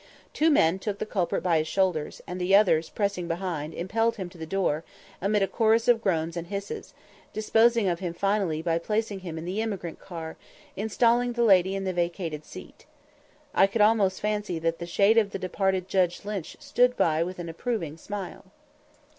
Two men took the culprit by his shoulders, and the others, pressing behind, impelled him to the door, amid a chorus of groans and hisses, disposing of him finally by placing him in the emigrant car, installing the lady in the vacated seat. I could almost fancy that the shade of the departed Judge Lynch stood by with an approving smile.